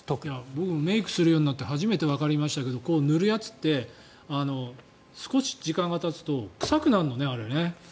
僕もメイクするようになって初めてわかりましたけど塗るやつって少し時間がたつと臭くなるのね。